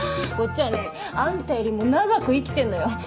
こっちはねあんたよりも長く生きてんのよ。